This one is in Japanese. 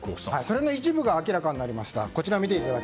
それの一部が明らかになりました。